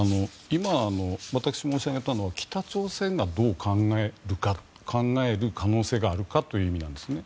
今、私が申し上げたのは北朝鮮がどう考えるか考える可能性があるかという意味なんですね。